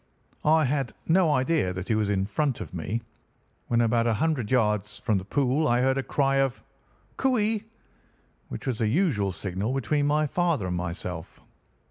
I had no idea that he was in front of me. When about a hundred yards from the pool I heard a cry of "Cooee!" which was a usual signal between my father and myself.